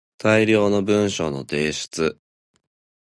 大量の文章の提出